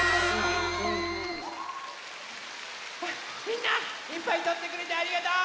みんないっぱいとってくれてありがとう！